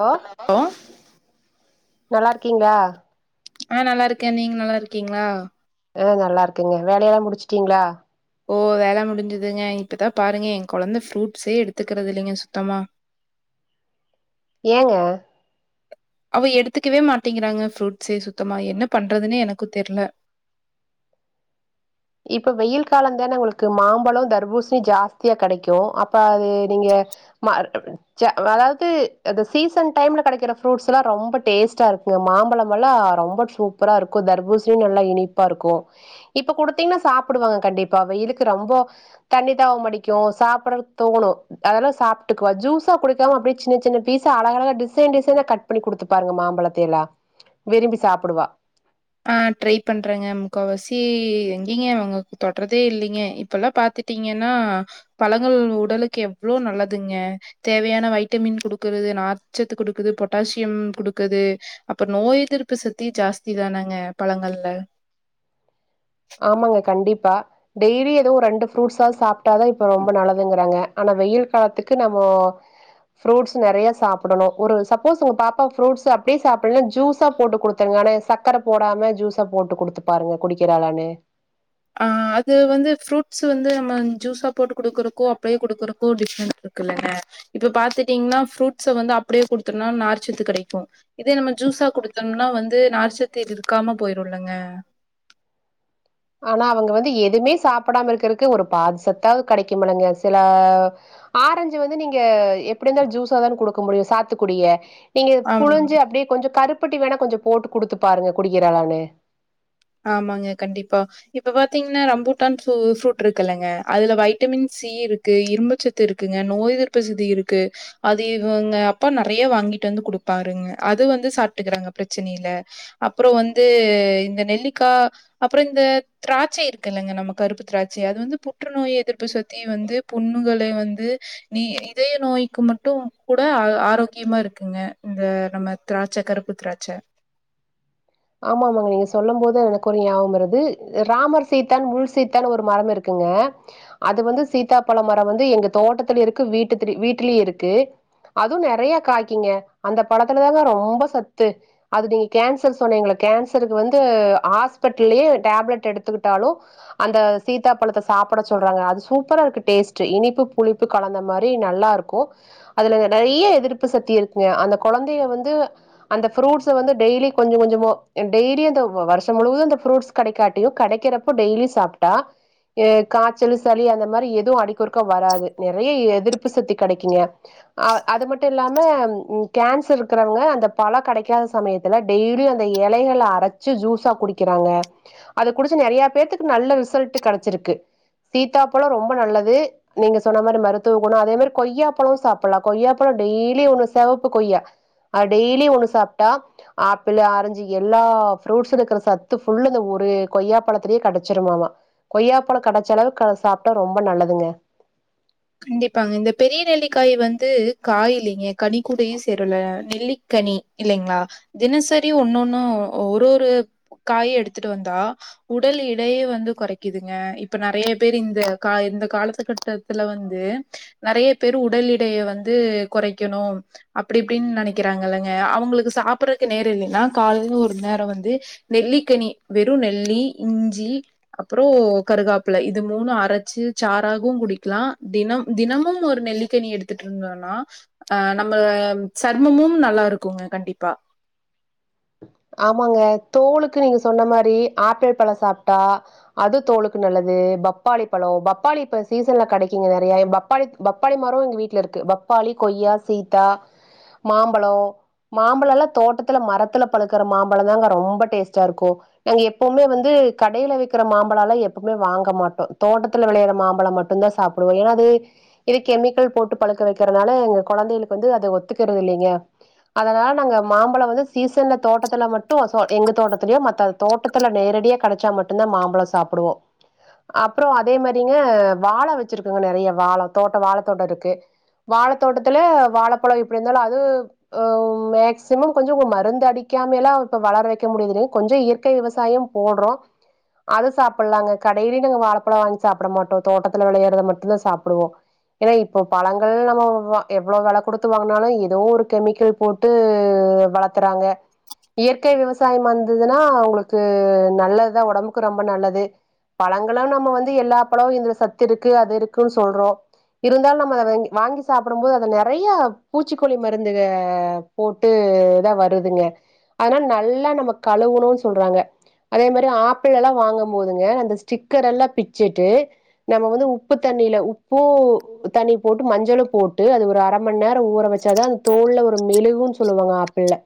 hello லோ நல்லா இருக்கீங்களா ஆ நல்லா இருக்கே நீங்க நல்லா இருக்கீங்களா ஆ நல்லா இருக்கேங்க வேலையெல்லா முடிச்டீங்களா ஓ வேலை முடிஞ்சிதுங்க இப்பதா பாருங்க என் குழந்த ப்ரூட்சே எடுத்துகுறது இல்லங்க சுத்தமா ஏங்க அவ எடுத்துக்கவே மாட்டிங்குறாங்க ப்ரூட்ஸே சுத்தமா என்ன பண்றதுன்னே எனக்கு தெர்ல இப்ப வெயில் காலதானே உங்களுக்கு மாம்பழம் தர்பூசுணி ஜாஸ்தியா கிடைக்கு அப்ப அது நீங்க அதாவது சீசன் டைம்ல கடைக்குற ப்ரூட்ஸ் எல்லா ரொம்ப டேஸ்டா இருக்கு மாம்பழம் எல்ல ரொம்ப சூப்பரா இருக்கு தர்பூசணி நல்லா இனிப்பா இருக்கு இப்ப கூடுத் த்தீங்கன்னா சாப்டுவாங்க கண்டிப்பா வெயிலுக்கு ரொம்ப தண்ணி தாவம் அடிக்கு சாப்ட தோணு அத சாப்ட்டுக்குவா ஜூஸா குடுக்காம அப்டியே சின்ன சின்ன பீச அழகலகா டிசைன் டிசைனா கட் பண்ணி குடுத்து பாருங்க மாம்பலத விரும்பி சாப்டுவா ஆ ட்ரை பண்றங்க முக்காவாசி எங்கீங்க உங்க தொட்றதே இல்லைங்க இப்பல்லா பாத்து கிடீங்கன்னா பழங்கள் உடலுக்கு எவ்ளோ நல்லதுங்க தேவையான வைட்டமின் கொடுக்க நாச்சத்து குடுக்குது பொட்டாசியம் குடுக்குது அப்ப நோய் எதிர்ப்பு சக்தி ஜாஸ்தி தான பழங்கள்ல ஆமாங்க கண்டிப்பா டெய்லி எதுவு ஒரு ரெண்டு ப்ரூட்ஸ் சாது சாப்ட்டாதா இப்ப ரொம்ப நல்லதுங்குறாங்க ஆனா வெயில் காலத்துக்கு நம்ம ஃப்ரூட்ஸ் நெறயா சாப்டணு ஒரு சப்போஸ் உங்க பாப்பா புரூட்ஸ் அப்டியே சாப்ல்னா ஜூஸா போட்டு குடுத்துருங்க ஆனா சக்கர போடாம ஜூஸா போட்டு குடுத்து பாருங்க குடிக்கறாளானு ஆ அது வந்து ஃப்ரூட்ஸ் வந்து நம்ம ஜூஸா போட்டு குடுக்கறக்கு அப்டியே குடுக்கறக்கு டிஃப்ரெண்ட் இரு க்கல்லங்க இப்ப பாத்துட்டீங்கனா ஃப்ரூட்ஸ வந்து அப்டியே குடுத்தனா நார்ச்சத்து கெடைக்கு இதே நம்ம ஜூ சா குடுத்தம்னா வந்து நார்ச்சத்து இதுக்கு இருக்காம போயிருல்லங்க ஆனா அவுங்க வந்து எதுமே சாப்டாம இருக்கறக்கு ஒரு பாதி சத்தாவது கெடைக்குமல்லங்க சில ஆ ரஞ்சு வந்து நீங்க எப்டி இந்தாலு ஜூஸாதான குடுக்க முடியு சாத்துக்கொடிய நீங்க ஆமா புழிஞ்சு அப்டியே கொஞ்சோ கருப்பட்டி வேணா கொஞ்சோ போட்டு குடுத்து பாருங்க குடிக்கிறாளானு ஆமாங்க கண்டிப்பா இப்ப பாத்தீங்கன்னா ரம்பூட்டான் ஃப்ரூட் இருக்குல்லங்க அதுல வைட்டமின்ஸ் சீ இருக்கு இரும்புச்சத்து இருக்குங்க நோய் எதிர்ப்புசக்தி இருக்கு அது இவுங்க அப்பா நெறயா வாங்கி ட்டு வந்து குடுப்பாருங்க அது வந்து சாப்டுக்கிறாங்க பிரச்சின இல்ல அப்றோ வந்து இந்த நெல்லி கா அப்றோ இந்த திராட்ச இருக்குல்லங்க நம்ம கருப்பு திராட்ச அது வந்து புற்றுநோய் எதிர்ப்பு சத்திய வந்து புண்ணுங்கள வந்து நீ இதய நோய்க்கு மட்டு கூட ஆரோக்கியமா இருக்குங் க இந்த நம்ம திராட்ச கருப்பு திராட்ச ஆமாமா நீங்க சொல்லும்போது எனக்கு ஒரு ஞாபம் வருது ராமர் சீதான் முழு சீத்தான் ஒரு மரம் இருக்கு ங்க அது வந்து சீதாப்பழோ மரோ வந்து எங்க தோட்டத்துல இருக்கு வீட்டுத்திரி வீட்லயு இருக்கு அதுவு நெறயா காய்க்கிங்க அந்த பழத்துலதாங்க ரொம்ப சத்து அது நீங்க கேன்சர்ஸ் சொன்னீங்கள்ள கேன்சருக்கு வந்து ஹாஸ்பிட்டலயே டேப்லெட் எடுத்துக்கிட்டாலு அந்த சீதா பழத்த சாப்ட சொல்றாங்க அது சூப்பரா இருக்கு டேஸ்ட் இனிப்பு புளிப்பு கலந்த மாரி நல்லா இருக்கு அதுல நெறய எதிர்ப்பு சத்தி இருக்குங்க அந்த கொழந்தய வந்து அந்த ஃப்ரூட்ஸ் வந்து டெய்லி கொஞ்ச கொஞ்சமோ டெய்லி அந்த வருஷ முழுுவது அந்த ஃப்ரூட்ஸ் கெடைக்காட்டியு கெடைக்கறப்ப டெய்லியு சாப்டா காச்சல், சளி அந்த மாரி எதுவு அடிக்கொறுக்கா வராது நெறய எதிர்ப்பு சத்தி கெடைக்குங்க அ அது மட்டு இல்லாம கேன்சர் இருக்கவங்க அந்த பழொ கெடைக்காத சமயத்துல டெய்லி அந்த இலைகள அரச்சு ஜூஸா குடிக்கறாங்க அத குடிச்சு நெறயா பேத்துக்கு நல்ல ரிசல் ட்டு கெடச்சிருக்கு சீத்தாப்பழொ ரொம்ப நல்லது நீங்க சொன்ன மாரி மருத்துவ குணோ அதே மாரி கொய்யாப்பழொ சாப்ல்லா கொய்யாப்பழொ டெய்லி ஒண்ணு சிவப்பு கொய்யா அ டெய்லி ஒண்ணு சாப்ட்டா ஆப்பிளு, ஆரஞ்சு எல்லா ஃப்ரூட்ஸ்ல இருக்கிற சத்து ஃபுல்லு அந்த ஒரு கொய்யா பழத்துலயே கெடச்சிருமாமா கொய்யாப்பழொ கெடச்ச அளவு சாப்ட்டா ரொம்ப நல்லதுங்க கண்டிப்பாங்க இந்த பெரிய நெல்லிக்காய வந்து காய் இல்லைங்க கனிக்கூடயு சேரல நெல்லிக் கனி இல்லைங்ளா தினசரி ஒன்னொன்னு ஒரு ஒரு காய எடுத்துட்டு வந்தா உடல் எடையே வந்து குறைக்குதுங்க இப்ப நெறய பேர் இந்த காய இந்த காலத்துக்கட்டத் துல வந்து நெறைய பேர் உடல் எடைய வந்து குறைக்கணு அப்டி இப்டின்னு நெனக்கிறாங் க இல்லங்க அவுங்களுக்கு சாப்பறக்கு நேரோ இல்லைனா காலைல ஒரு நேரோ வந்து நெல்லிக்கனி வெறு நெ ல்லி இஞ்சி அப்றோ கருகாப்பிள இது மூணு அரச்சு சாராகவு குடி கலா தினம் தினமும் ஒரு நெல்லிக்கனி எடுத்துட்டு இருந்தோனா அ நம்ம சர்மமு ம் நல்லா இருக்குங்க கண்டிப்பா [unintelligible] ஆமாங்க தோலுக்கு நீங்க சொன்ன மாரி ஆப்பிள் பழோ சாப்ட்டா அது தோலுக்கு நல்ல து பப்பாளி பழோ பப்பாளி இப்ப சீசன்ல கெடைக்குங்க நெறயா பப்பாளி பப்பாளி மரோ எங்க வீட்ல இருக்கு பப் பாளி, கொய்யா, சீத்தா, மாம்பழோ மாம்பழோல்லா தோட்டத்துல மரத்துல பழுக்கற மாம்பழந்தாங்க ரொம்ப டேஸ்டா இருக்கு நாங்க எப்புமே வந்து கடைல விக்கிற மாம்பழல்லா எப்புமே வாங்க மாட்டோ தோட்டத்தில வெளயற மாம்பழோ மட்டுந்தா சாப்டுவோ ஏனா அது இது கெமிக்கல் போட்டு பழுக்க வெ க்கறனால எங்க கொழந்தைகளுக்கு வந்து அது ஒத்துக்கிறது இல்லைங்க அதனால நாங்க மாம்பழோ வந்து சீசன்ல தோட்டத்துல மட்டோ சோ எங்க தோட்டத்திலயோ மத்த தோட்டத்துல நேரடியா கிடைச்சா மட்டுந்தா மாம்பழோ சாப்டுவோ அப்றோ அதே மாரிங்க வாழ வெச்சிருக்குங்க நெறைய வாழ தோட்டோ வாழத் தோட்டோ இருக்கு வாழத்தோட்டத்துல வாழப்பழோ எப்டி இந்தாலு அது உ மேக்சிமம் கொஞ்சோ மருந்து அடி கியாமெல்லா இப்ப வளர வெக்க முடியுது கொஞ்சோ இயற்கை விவசாயம் போடுறோ அது சாப்பிடலாங்க கடையிலயு நாங்க வாழைப்பழோ வாங்கி சாப்பிட மாட்டோ தோட்டத்துல விளையறத மட்டுந்தா சாப்பிடுவோ ஏன்னா இப்போ பழங்கள் நம்ம வ எவ்ளோ வெல குடுத்து வாங்கனாலு ஏதோ ஒரு கெமிக்கல் போட்டு ஹ் வளத்துறாங்க இயற்கை விவசாயமாந்ததுன்னா உங்களுக்கு நல்லதுதா ஒடம்புக்கு ரொம்ப நல்லது பழங்களா நம்ம வந்து எல்லா பழமு இதுல சத்து இருக்கு அது இருக்குன்னு சொல்றோ இருந்தாலு நம்ம அத வங்கி வாங்கி சாப்பிடும் போது அத நெறைய பூச்சிக்கொல்லி மருந்துக போட்டு அஹ் இதுதா வருதுங்க அதனால நல்லா நம்ம கழுவுணுன்னு சொல்றாங்க அதே மாரி ஆப்பிள் எல்லா வாங்கும் போதுங்க அந்த ஸ்டிக்கர் எல்லா பிச்சுட்டு நம்ம வந்து உப்புத்தண் ண்ணில உப்பூ தண்ணி போட்டு மஞ்சளு போட்டு அது ஒரு அரைம மண் நேர ஊற வச்சாதா அந்த தோள் ஒரு மெழுகுன்னு சொல்லுவாங்க ஆப்பிள்ல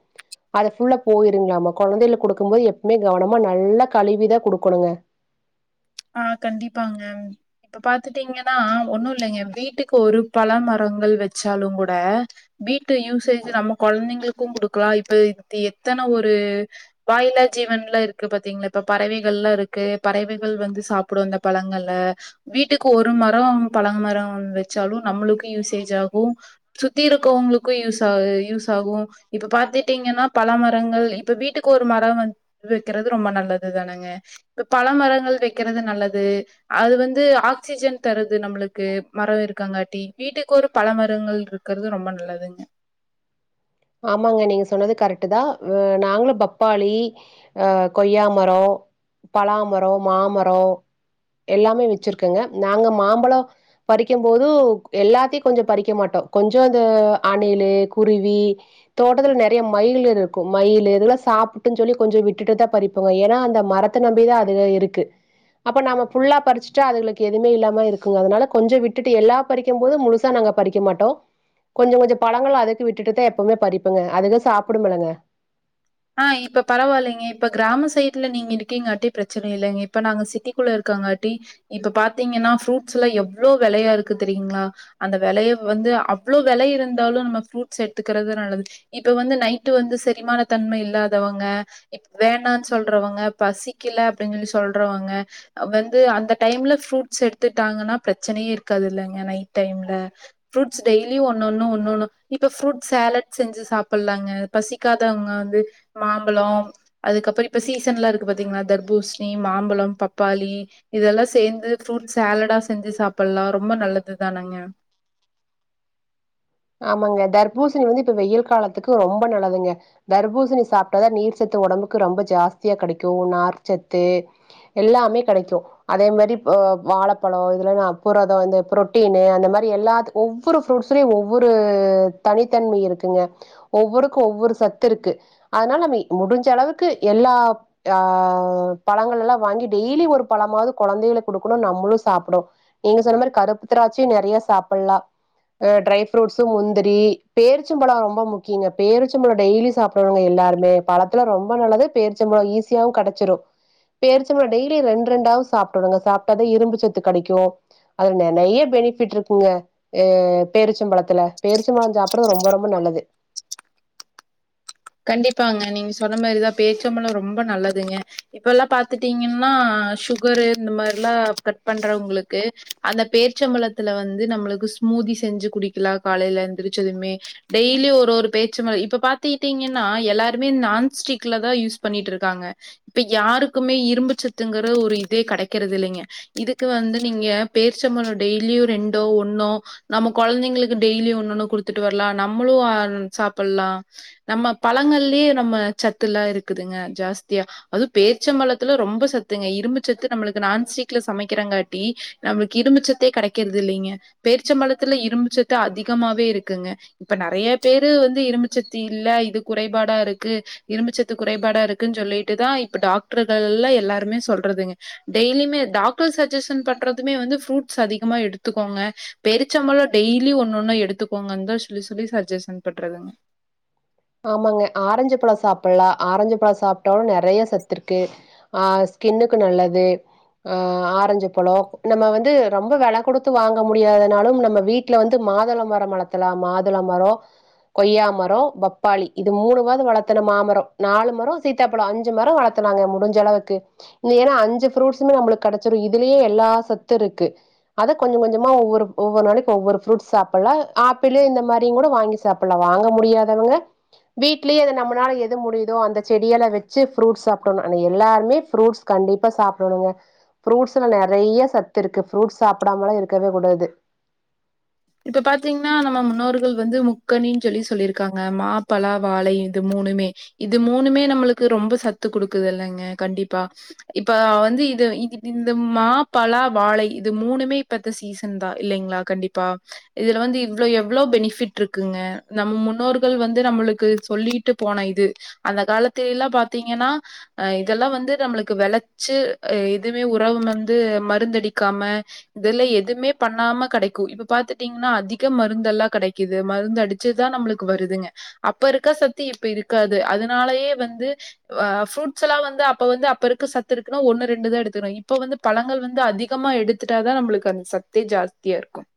அத ஃபுல்லா போயிருங்களாமா கொழந்தைளுக் குடுக்கும் போது எப்பவுமே கவனமா நல்லா கழுவிதா குடுக்கணுங்க ஆ கண்டிப்பாங்க இப்ப பாத்துட்டீங்கன்னா ஒண்ணு இல்லைங்க வீட்டுக்கு ஒரு பழ மரங்கள் வச்சாலுங்கூட வீட்டு யூசேஜ் நம்ம கொழந்தைங்களுக்கு குடுக்கலா இப்ப எத்தனை ஒரு வாயிலா ஜீ ஈவன்லா இருக்கு பாத்தீங்களா இப்ப பறவைகள்லா இருக்கு பறவைகள் வந்து சாப்பிடு அந்த பழங்கள்ல வீட்டுக்கு ஒரு மரோம் பழ மரம் வச்சாலு நம்மளுக்கு யூஸ்சே ஜ்ஆகும் சுத்தி இருக்கவங்களுக்கு யூஸா யூஸ் ஆகு இப்ப பாத்தட்டீங்கன்னா பழமர ங்கள் இப்ப வீட்டுக்கு ஒரு மரம் வந்து வெக்கிறது ரொம்ப நல்லது தானுங்க இப்ப பழ மரங்கள் வெக் கிறது நல்லது அது வந்து ஆக்சிஜன் தருது நம்மளுக்கு மரோ இருக்காங்காட்டி வீட்டுக்கோ ஒரு பழ மரங்கள் இருக்கிறது ரொம்ப நல்லதுங்க ஆமாங்க நீங்க சொன்னது கரெக்டு தா வெ நாங்களு பப்பாளி ஆ கொய்யா மரோ பலாமரோ மாமரோ எல்லாமே வச்சிருக்கங்க நாங்க மாம்பழோ பறிக்கும் போது எல்லாத்தையு கொஞ்சோ பறிக்க மாட்டோ கொஞ்சோ அந்த அணிலு குருவி தோட்டத்துல நெறைய மயில் இருக்கும் மயிலு இதுல்லா சாப்ட்டுன்னு சொல்லி கொஞ்சோ விட்டுட்டு தா பறிப்போங்க ஏன்னா அந்தம் மரத்தை நம்பிதா அதுக இருக்கு அப்ப நாம புல்லா பறிச்சுட்டா அதுளுக்கு எதுமே இல்லாம இருக்குங்க அதனால கொஞ்சோ விட்டுட்டு எல்லா பறிக்கும் போது முழுசா நாங் க பறிக்க மாட்டோ கொஞ்சோ கொஞ்சோ பழங்கள அதுக்கு விட்டுட்டுதா எப் பவுமே பறிப்புங்க அதுக சாப்டுமல்லங்க ஆ இப்ப பரவால்லிங்க இப்ப கிராம சைட்ல நீங்க இருக்கீங்காட்டி பிரச்சனை இல்லைங்க இப்ப நாங்க சிட்டிக்குள்ள இருக் ங்காட்டி இப்ப பாத்தீங்கன்னா ஃப்ரூட்ஸ் எல்லா எவ்ளோ வெலையா இருக்கு தெரியுங்களா அந்த வெலைய வந்து அவ்ளோ வெலை இருந்தாலு நம்ம ஃப்ரூட்ஸ் எடுத்துக்கிறது நல்லது இப்ப வந்து நைட்டு வந்து செரிமான தன்மை இல்லாதவங்க இ வேணாம்னு சொல்றவங்க பசிக்கல அப்டின்னு சொல்லி சொல்றவங்க வந்து அந்த டைம்ல ஃப்ரூட்ஸ் எடுத்துட்டாங்கன்னா பிரச்சனையே இருக்காது இல்லங்க நைட் டைம்ல ஃப்ரூட்ஸ் டெய்லியு ஒன்னொன்னு ஒன்னொன்னு இப்ப ஃப்ரூட் சேலட் செஞ்சு சாப்பிட்லாங்க பசிக்காதவங்க து மாம்பழோ அதுக்கப்புற இப்ப சீசன் எல்லா இருக்கு பாத்தீங்கன்னா தர்பூஷணி மாம்பழம் பப்பாளி இதெல்லா சேந்து ஃப்ரூட் சேலடா செஞ்சு சாப்பிடலா ரொம்ப நல்லது தானங்க [unintelligible] ஆமாங்க தர்பூசணி வந்து இப்ப வெயில் காலத்துக்கு ரொம்ப நல்லதுங்க தர்பூசணி சாப்பிட்டதா நீர் சத்து ஒடம்புக்கு ரொம்ப ஜாஸ்தியா கெடைக்கு நார்ச்சத்து எல்லாமே கெடைக்கு அதே மாரி வா ழப்பழோ இதுல்னா புரதோ இந்த புரோட்டீனு அந்த மாரி எல்லாத்து ஒவ்வொரு ஃபுரூட்ஸ்லியு ஒவ் வொரு தனித்தன்மை இருக்குங்க ஒவ்வொருக்கு ஒவ்வொரு சத்து இருக்கு அதனால நம்ம முடிஞ்ச அளவுக்கு எல்லா ஆ பழங்கள எல்லா வாங்கி டெய்லி ஒரு பழமாவது கொழந்தைகளுக்கு குடுக்கணு நம்மளு சாப்புடு நீங்க சொன்ன மாரி கருப்பு திராட்சியு நெறைய சாப்பிடலா ஆ ட்ரை ஃப்ரூட்ஸு முந்திரி பேருச்சம்பழோ ரொம்ப முக்கியங்க பேருச்சம்பழ டெய்லி சாப்புடனுங்க எல்லாருமே பழத்தை ல்லா ரொம்ப நல்லது பேருச்சம்பழோ ஈஸியாவு கெடைச்சிரும் பேருச்சம்பழோ டெய்லி ரெண்டு ரெண்டாவாது சாப்டுடுங்க சாப்பிட்டது இரும்புச்சத்து கெடைக்கு அதுல நெ நெயைய பென் பெனிஃபிட் இருக்குங்க பேருச்சம்பழத்துக்கு த்துல பேர்ச்ச பழம் சாப்படுறது ரொம்ப ரொம்ப நல்லது கண்டிப்பாங்க நீங்க சொன்ன மாதிரிதான் பேருச்சபழம் ரொம்ப நல்லதுங்க இப்ப எல்லாம் பாத்துட்டீங்கன்னா சுகரு இந்த மாதிரல்லாம் கட் பண்றவங்களுக்கு அந்த பேரிச்சம்பளத்துல வந்து நம்மளுக்கு ஸ்மூதி செஞ்சு குடிக்கலா காலையில எந்திரச்சதுவுமே டெய்லி ஒரு பேச்சு ம இப்ப பாத்தீங்க ங்கன்னா எல்லாருமே நான்ஸ்டிக்ல தான் யூஸ் பண்ணிட்டுருக்காங்க இப்ப யாருக்குமே இரும்புச்சத்து ங்கிற ஒரு இதே கிடைக்கிறது இல்லைங்க இதுக்கு வந்து நீங்க பேர்ச்சபழ டெய்லியும் ரெண்டோ ஒன்னோ நம்ம குழந்தைங்களுக்கு டெய்லி ஒன்னுன்னு குடுத்துட்டு வரலாம் நம்மளும் சாப்ட்லாம் நம்ம பழங்கள்லயே நம்ம சத்துல்லாம் இருக்குதுங்க ஜாஸ்தியா அதுவும் பேர்ச்சம்பலத்துல ரொம்ப சத்து த்துங்க இரும்புச்சத்து நம்மளுக்கு நான்ஸ்டிக்ல சமைக்கிறங்காட்டி நம்மளுக்கு இரும்பச்சத்தே கிடைக்கிறது இல்லைங்க பேர்ச்சம்பளத்துல இரும்புச்சத்து அதிகமாவே இருக்குங்க இப்ப நெறைய பேரு வந்து இரும்புச்சத்தி இல்ல இது குறைபாடா இருக்கு இரும்புச்சத்து குறைபாடா இருக்குன்னு சொல்லிட்டுதான் இப்ப டாக்டர்கள்லாம் எல்லாம் ருமே சொல்றதுங்க டெய்லியுே டாக்டர் சஜன் பண்றதுமே வந்து பூட்ஸ் அதிகமா எடுத்துக்கோங்க பேருச்சம்பள டெய்லி ஒண்ணுண்ணு எடுத்துக்கோங்கு த சொல்லி சொல்லி சஜஷன் பண்றதுங்க ஆமாங்க ஆரஞ்சு பழம் சாப்பிடலாம் ஆரஞ்சு பழம் சாப்பிட்டாலும் நிறைய சத்து இருக்கு ஆ ஸ்கின்னுக்கு நல்லது ஆ ஆரஞ்சு பழம் நம்ம வந்து ரொம்ப வில கொடுத்து வாங்க முடியாதனாலும் நம்ம வீட்டுல வந்து மாதுள மரம் மரத்துல மாதுள மரம் கொய்யா மரம் ப பப்பாளி இது மூணு மாதது வளர்த்துனும் மாமரம் நாலு மரம் சீத்தாப்பழம் அஞ்சு மரம் வளர்த்துனாங்க முடிஞ்ச அளவுக்கு இந்த ஏன்னா அஞ்சு பரூட்ஸுமே நம்ளுக்கு கிடைச்சிடூ இதுலயே எல்லா சத்து இருக்கு அதை கொஞ்சம் கொஞ்சமா ஒவ்வொரு ஒவ்வொரு நாளைக்கும் ஒவ்வொரு ஃப்ரூட் சாப்பிடலாம் ஆப்பிள் இந்த மாதிரியும் கூட வாங்கி சாப்பிடலாம் வாங்க முடியாதவங்க வீட்லேயே அதை நம்மளால எது முடியுதோ அந்த செடியள வச்சு ப்ரூட்ஸ் சாப்டோம் எல்லாருமே புரூட்ஸ் கண்டிப்பா சாப்பிடணுங்க ப்ரூட்ஸ்ல நெறைய சத்து இருக்கு ப்ரூட்ஸ் சாப்பிடாமல இருக்கவே கூடாது [unintelligible] இப்ப பாத்தீங்கன்னா நம்ம முன்னோர்கள் வந்து முக்கனின்னு சொல்லி சொல்லியிருக்காங்க மா பலா வாழை இது மூ இது மூணுமே நம்மளுக்கு ரொம்ப சத்து கொடுக்குதுல்லைங்க கண்டிப்பா இப்ப வந்து இ இ இந்த மா பலா வாழை இது மூணுமே இப்பத்த சீசன் தான் இல்லைங்களா கண்டிப்பா இதுல வந்து இவ்வளோ எவ்ளோ பெனிபிட் இருக்குங்க நம்ம முன்னோர்கள் வந்து நம்மளுக்கு சொல்லிட்டு போன இது அந்த காலத்துல எல்லாம் பாத்தீங்கன்னா இதெல்லாம் வந்து நம்மளுக்கு வெளைச்சு எதுவுமே உரவு வந்து மருந்தடிக்காம இதெல்லாம் எதுவுமே பண்ணாம கிடைக்கும் இப்ப பாத்துட்டீங்கன்னா அதிகம் மருந்தெல்லாம் கெடைக்குது மருந்து அடிச்சுதான் நம்மளுக்கு வருதுங்க அப்ப இருக்கா சத்தி இப்ப இருக்காது அதனாலயே வந்து ப்ரூட்ஸ்ல்லாம் வந்து அப்ப வந்து அப்ப இருக்கு சத்து இருக்குன்னா ஒன்னு ரெண்டு தான் எடுத்துக்கணும் இப்ப வந்து பழங்கள் வந்து அதிகமா எடுத்துட்டாதான் நம்மளுக்கு அந்த சத்தே ஜாஸ்தியா இருக்கும்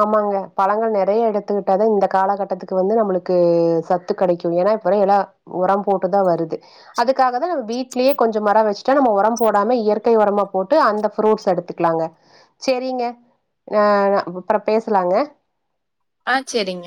ஆமாங்க பழங்கள் நெறைய எடுத்துக்கிட்டாதான் இந்த காலகட்டத்துக்கு வந்து நம்மளுக்கு சத்து கிடைக்கும் ஏ அப்புறம் எல்லா உரம் போட்டுதான் வருது அதுக்காக தான் நம்ம வீட்டிலயே கொஞ்சம் மரம் வச்சுட்டா நம்ம உரம் போடாம இயற்கை உரமா போட்டு அந்த புரூட்ஸ் எடுத்துக்கலாங்க சேரிங்க நா அப்புறம் பேசலாங்க ஆ சேரிங்க